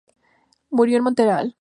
Murió en Montreal.